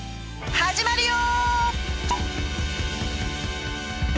始まるよ！